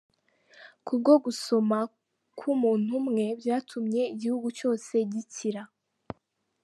Ku bwo gusoma kw’umuntu umwe byatumye igihugu cyose gikira.